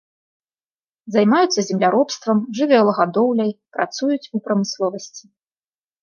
Займаюцца земляробствам, жывёлагадоўляй, працуюць у прамысловасці.